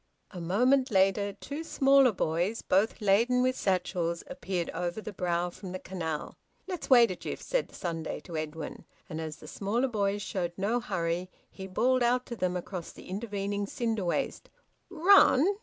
A moment later two smaller boys, both laden with satchels, appeared over the brow from the canal. "Let's wait a jiff," said the Sunday to Edwin, and as the smaller boys showed no hurry he bawled out to them across the intervening cinder waste: "Run!"